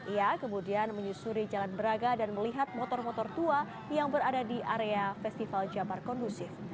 ia kemudian menyusuri jalan braga dan melihat motor motor tua yang berada di area festival jabar kondusif